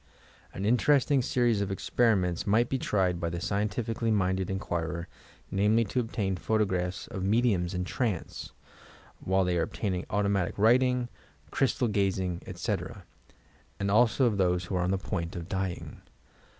An interesting series of experiments might be tried by the scientifically minded inquirer, namely, to ob tain photograph? of mediums in trance, while they 340 YOUR PSYCHIC POWERS are obtaining Automatic Writing, Crystal Qasdng, etc, and also of those who are on the point of dying.